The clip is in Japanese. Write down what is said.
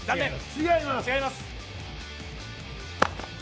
違います。